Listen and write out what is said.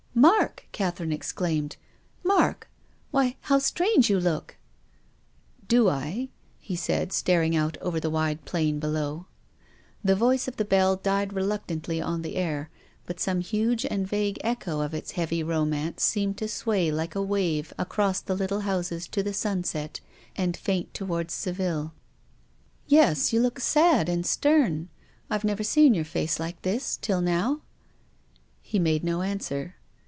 " Mark !" Catherine exclaimed. " Mark ! why, how strange you look! "" Do I ?" he said, staring out over the wide plain below. The voice of the bell died reluctantly on the air, but some huge and vague echo of its heavy romance seemed to sway, like a wave, across the little houses to the sunset and faint towards Soiville. •t ,TTTT T TAUT T ^OT.T n " WILLIAM FOSTER. 1 25 " Yes, you look sad and stern. I have never seen your face like this — till now." He made no answer.